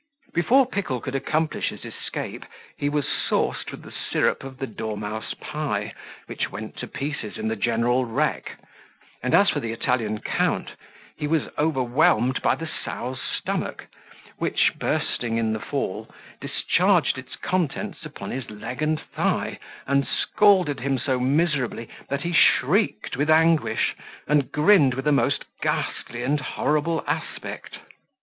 Before Pickle could accomplish his escape, he was sauced with the syrup of the dormouse pie, which went to pieces in the general wreck; and as for the Italian count, he was overwhelmed by the sow's stomach, which, bursting in the fall, discharged its contents upon his leg and thigh, and scalded him so miserably, that he shrieked with anguish, and grinned with a most ghastly and horrible aspect.